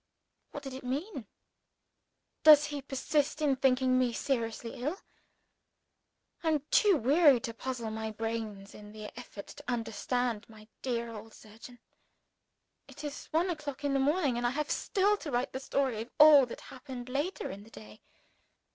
What did it mean? Does he persist in thinking me seriously ill? I am too weary to puzzle my brains in the effort to understand my dear old surgeon. It is one o'clock in the morning; and I have still to write the story of all that happened later in the day.